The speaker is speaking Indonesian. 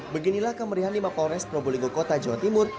beginilah kemerihan lima polres probolinggo kota jawa timur